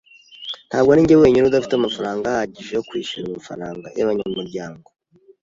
Ntabwo arinjye wenyine udafite amafaranga ahagije yo kwishyura amafaranga yabanyamuryango.